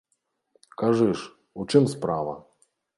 Кажы ж, у чым справа?